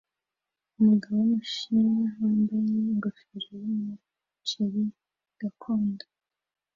Umugabo wumushinwa wambaye ingofero yumuceri gakondo